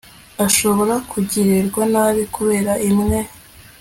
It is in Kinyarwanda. ashobora kugirirwa nabi kubera mwe